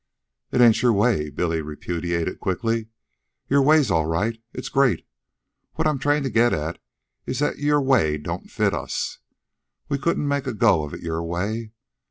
"It ain't your way," Billy repudiated quickly. "Your way's all right. It's great. What I'm trying to get at is that your way don't fit us. We couldn't make a go of it your way.